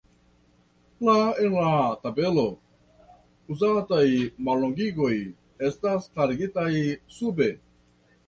La en la tabelo uzataj mallongigoj estas klarigitaj sube.